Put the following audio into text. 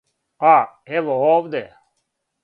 А, ево овде.